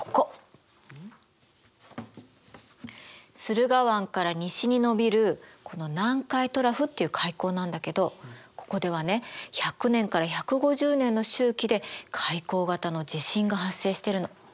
駿河湾から西にのびるこの南海トラフっていう海溝なんだけどここではね１００年から１５０年の周期で海溝型の地震が発生してるの。